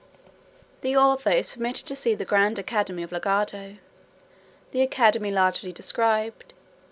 The author permitted to see the grand academy of Lagado. The academy largely described.